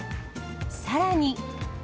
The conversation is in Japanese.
さらに。